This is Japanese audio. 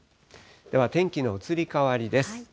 では天気の移り変わりです。